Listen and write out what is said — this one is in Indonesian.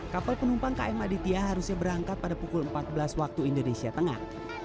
kapal penumpang km aditya harusnya berangkat pada pukul empat belas waktu indonesia tengah